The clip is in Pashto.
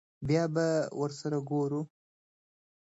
بيا به ور سره ګورو.